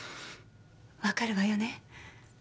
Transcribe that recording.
わかるわよね？